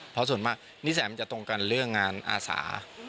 เพราะส่วนมากนิสัยมันจะตรงกันเรื่องงานอาสา